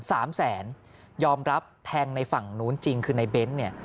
สามแสนยอมรับแทงในฝั่งนู้นจริงคือในเบ้นเนี่ย